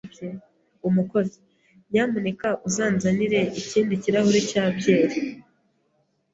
Umukozi, nyamuneka uzanzanire ikindi kirahure cya byeri.